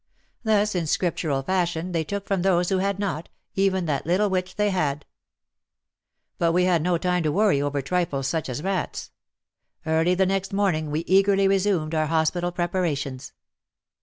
Thus in Scriptural fashion they took from those who had not, even that Httle which they had ! But we had no time to worry over trifles such as rats. Early the next morning we eagerly resumed our hospital preparations.